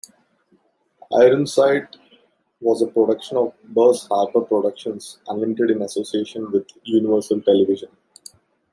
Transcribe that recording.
"Ironside" was a production of Burr's Harbour Productions Unlimited in association with Universal Television.